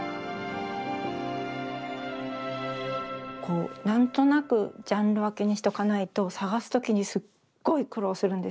こう何となくジャンル分けにしとかないと探す時にすっごい苦労するんですね。